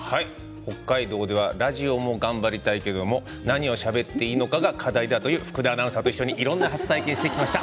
北海道ではラジオも頑張りたいけれど何をしゃべっていいか課題だという福田アナウンサーと一緒にいろいろな体験をしてきました。